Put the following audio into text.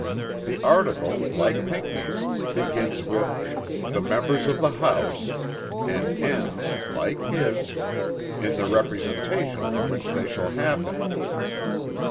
The article, like Pinckney's, begins with, "The members of the house"; and ends, like his, "in the representation from which they shall happen."